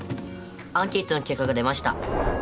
アンケートの結果が出ました。